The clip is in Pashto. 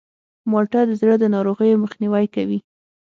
مالټه د زړه د ناروغیو مخنیوی کوي.